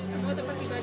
semua tempat ibadah